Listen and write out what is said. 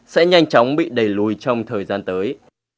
sẽ nhanh chóng bị đẩy lùi trong thời gian tới